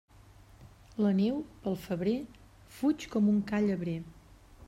La neu, pel febrer, fuig com un ca llebrer.